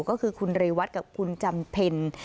ก็คือคุณเรวัตกับคุณจำเพ็ญ